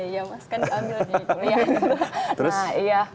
iya iya mas kan diambil di kuliah